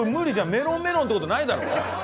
メロンメロンって事はないだろ。